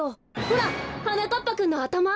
ほらはなかっぱくんのあたま。